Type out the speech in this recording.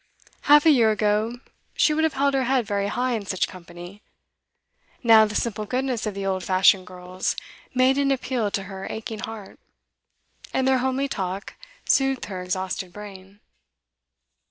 Half a year ago, she would have held her head very high in such company; now the simple goodness of the old fashioned girls made an appeal to her aching heart, and their homely talk soothed her exhausted brain.